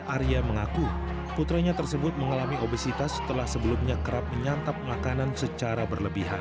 arya mengaku putranya tersebut mengalami obesitas setelah sebelumnya kerap menyantap makanan secara berlebihan